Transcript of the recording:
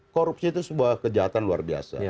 korupsi itu sebuah kejahatan luar biasa